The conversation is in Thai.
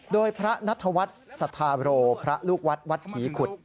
โดยพระนัทวัฒน์สัทธาโรพระลูกวัดวัดผีขุด